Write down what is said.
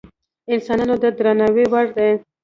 انسانان د درناوي وړ دي.